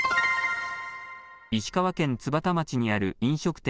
石川県津幡町にある飲食店